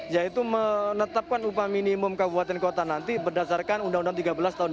yaitu menetapkan upah minimum kabupaten kota nanti berdasarkan undang undang tiga belas tahun dua ribu